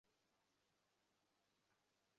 ধন্যবাদ, যাও।